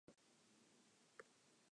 He left at the end of the season.